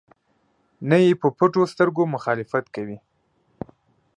نه یې په پټو سترګو مخالفت کوي.